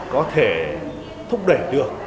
có thể thúc đẩy được